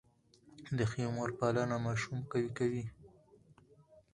د ښې مور پالنه ماشوم قوي کوي.